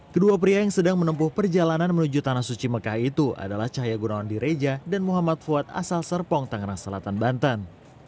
kedua pria yang sedang menempuh perjalanan menuju tanah suci mekah itu adalah cahaya gunawan di reja dan muhammad fuad asal serpong tangerang selatan banten